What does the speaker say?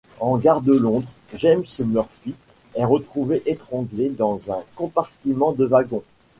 En gare de Londres, James Murphy est retrouvé étranglé dans un compartiment de wagon.